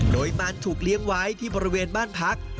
โดยมันถูกเลี้ยงไว้ที่บริเวณบ้านพัก